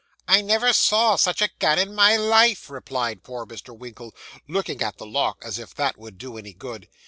'I never saw such a gun in my life,' replied poor Mr. Winkle, looking at the lock, as if that would do any good.